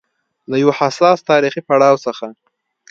له يو حساس تاریخي پړاو څخه